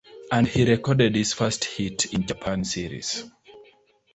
And he recorded his first hit in the Japan Series.